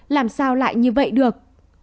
làm sao lại như vậy được